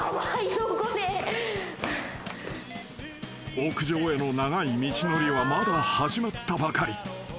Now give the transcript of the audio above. ［屋上への長い道のりはまだ始まったばかり］